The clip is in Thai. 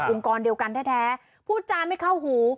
กรเดียวกันแท้พูดจาไม่เข้าหู